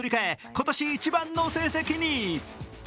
今年一番の成績に。